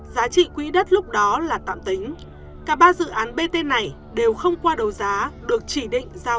giá trị quỹ đất lúc đó là tạm tính cả ba dự án bt này đều không qua đấu giá được chỉ định giao